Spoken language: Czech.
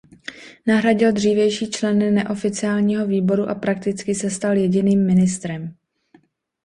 Nahradil dřívější členy neoficiálního výboru a prakticky se stal jediným ministrem.